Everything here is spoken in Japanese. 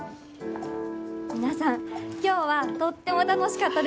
皆さん今日はとっても楽しかったです。